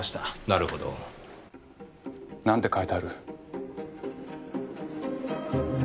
なるほど。なんて書いてある？